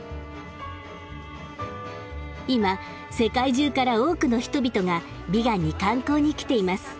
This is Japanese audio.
今世界中から多くの人々がビガンに観光に来ています。